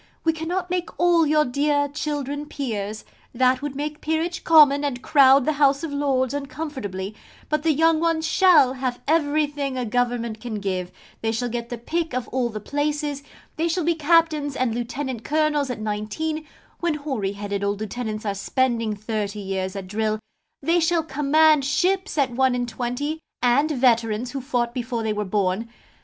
We cannot make all your dear children Peers that would make Peerage common and crowd the House of Lords uncomfortably but the young ones shall have everything a Government can give: they shall get the pick of all the places: they shall be Captains and Lieutenant Colonels at nineteen, when hoary headed old lieutenants are spending thirty years at drill: they shall command ships at one and twenty, and veterans who fought before they were born.